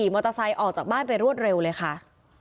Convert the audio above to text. ไม่รู้ค่ะ